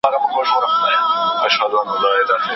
مږندي مي ښایستې یوه تر بلي ګړندۍ دي